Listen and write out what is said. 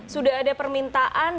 sudah ada permintaan